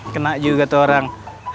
kena juga tuh orang